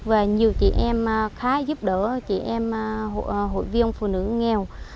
và nhiều chị em khá giúp đỡ chị em hội viêng phụ nữ nghèo